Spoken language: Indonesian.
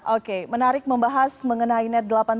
oke menarik membahas mengenai net delapan puluh dua